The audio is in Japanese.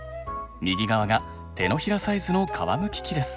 右側が手のひらサイズの皮むき器です。